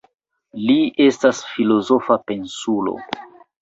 Li estas filozofa pensulo.